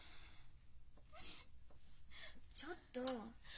ちょっと。